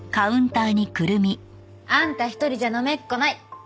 あんた一人じゃ飲めっこない。